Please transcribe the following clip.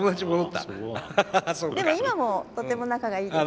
でも今もとても仲がいいです。